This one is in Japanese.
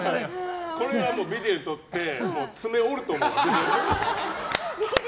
これはビデオとって爪、折ると思う。